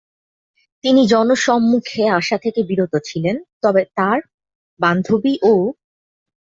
তিনি জনসম্মুখে আসা থেকে বিরত ছিলেন তবে তাঁর বান্ধবী ও